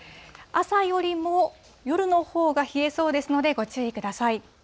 朝よりも夜のほうが冷えそうですので、ご注意ください。